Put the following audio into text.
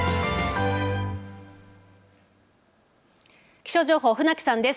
気象情報、船木さんです。